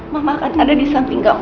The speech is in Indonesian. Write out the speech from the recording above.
mama akan ada di samping kamu